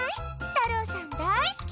たろうさんだいすき！